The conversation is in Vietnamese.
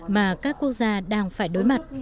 mà các quốc gia đang phải đối mặt